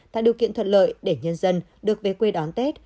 tạo điều kiện thuận lợi để nhân dân được về quê đón tết